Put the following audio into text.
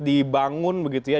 dibangun begitu ya